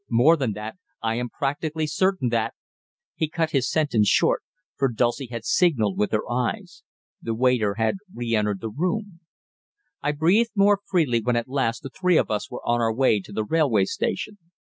More than that, I am practically certain that " He cut his sentence short, for Dulcie had signalled with her eyes. The waiter had re entered the room. I breathed more freely when at last the three of us were on our way to the railway station.